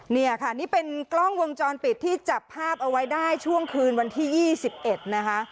เนี่ยค่ะนี่เป็นกล้องวงจรปิดที่จับภาพเอาไว้ได้ช่วงคืนวันที่๒๑นะคะ